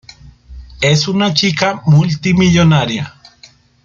Es una chica multimillonaria.